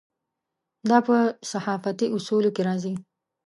دا په صحافتي اصولو کې راځي.